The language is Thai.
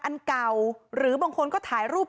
อันเก่าหรือบางคนก็ถ่ายรูป